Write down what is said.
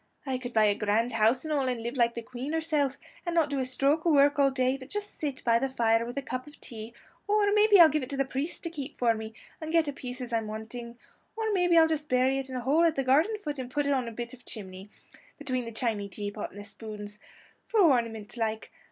I could buy a grand house and all, and live like the Queen herself, and not do a stroke of work all day, but just sit by the fire with a cup of tea; or maybe I'll give it to the priest to keep for me, and get a piece as I'm wanting; or maybe I'll just bury it in a hole at the garden foot, and put a bit on the chimney, between the chiney teapot and the spoons for ornament like.